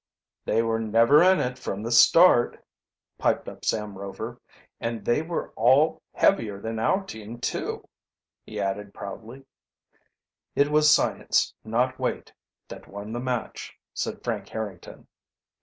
"They were never in it from the start," piped up Sam Rover. "And they were all heavier than our team, too," he added, proudly. "It was science, not weight, that won the match," said Frank Harrington.